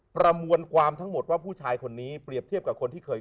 ประมวลความทั้งหมดว่าผู้ชายคนนี้เปรียบเทียบกับคนที่เคย